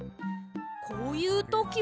こういうときは。